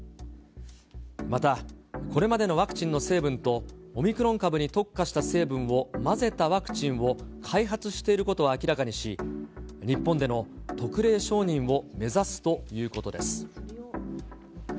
またこれまでのワクチンの成分と、オミクロン株に特化した成分を混ぜたワクチンを開発していることを明らかにし、日本での特例承認を目指すということです。